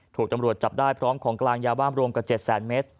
ถูกตำรวจจับได้พร้อมของกลางยาบ้ารวมกว่า๗แสนเมตร